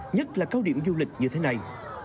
nhất là cao điểm du lịch như thế này